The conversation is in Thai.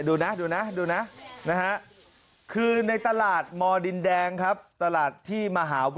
ดูนะคือในตลาดมดินแดงครับ